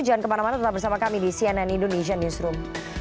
jangan kemana mana tetap bersama kami di cnn indonesian newsroom